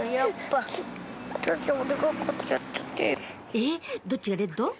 えっどっちがレッド？